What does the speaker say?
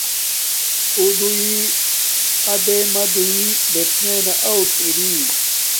اُݸ دݸئی اَوَرݺ مݳ دݸئی بݵٹسمݵنݳ آݸٹ اِرِی.